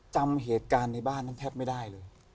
จำเหตุการณ์ในบ้านนั้นแทบไม่ได้เลย